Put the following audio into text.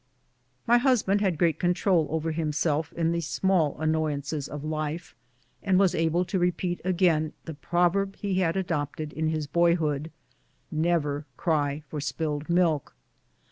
My husband had great control over him self in the small annoyances of life, and was able to re peat again the proverb he had adopted in his boyhood, " Never cry for spilled milk."